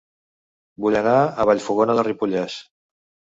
Vull anar a Vallfogona de Ripollès